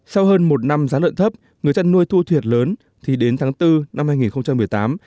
sau hơn một năm giá lợn thấp người chăn nuôi thua thiệt lớn thì đến tháng bốn năm hai nghìn một mươi tám